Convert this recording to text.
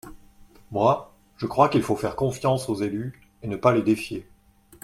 Moi, je crois qu’il faut faire confiance aux élus et ne pas les défier.